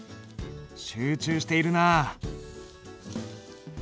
集中しているなあ。